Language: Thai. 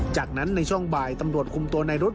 จากนั้นในช่วงบ่ายตำรวจคุมตัวในรุ๊